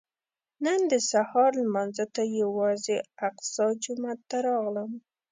نن د سهار لمانځه ته یوازې الاقصی جومات ته راغلم.